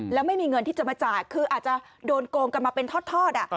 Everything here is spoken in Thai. แล้วไม่มีเงินที่จะมาจ่ายคืออาจจะโดนโกงกันมาเป็นทอด